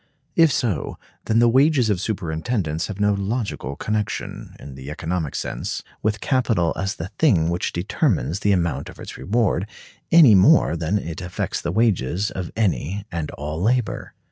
If so, then the wages of superintendence have no logical connection, in the economic sense, with capital as the thing which determines the amount of its reward, any more than it affects the wages of any and all labor.